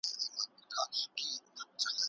هغه يو قلم ورکوي.